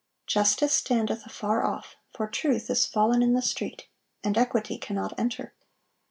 "Justice standeth afar off: for truth is fallen in the street, and equity cannot enter."